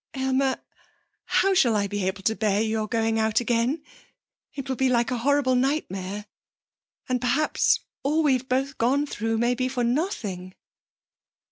'Aylmer, how shall I be able to bear your going out again? It will be like a horrible nightmare. And perhaps all we've both gone through may be for nothing!'